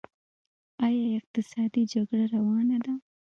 آیا اقتصادي جګړه روانه ده؟